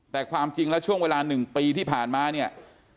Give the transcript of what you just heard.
แต่ความจริงแล้วช่วงเวลา๑ปีที่ผ่านมาเนี่ย